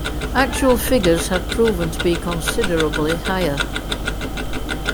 Actual figures have proven to be considerably higher.